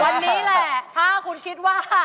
วันนี้แหละถ้าคุณคิดว่า